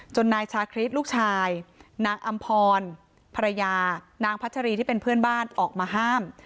นายชาคริสลูกชายนางอำพรภรรยานางพัชรีที่เป็นเพื่อนบ้านออกมาห้าม